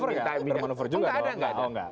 kita bermanuver juga dong